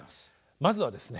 まずはですね